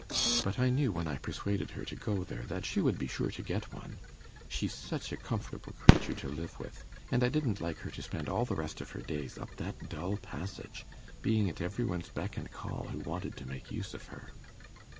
But I knew when I persuaded her to go there that she would be sure to get one she's such a comfortable creature to live with; and I didn't like her to spend all the rest of her days up that dull passage, being at every one's beck and call who wanted to make use of her.